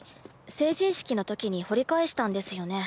成人式のときに掘り返したんですよね？